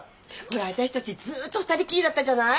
私たちずっと二人きりだったじゃない？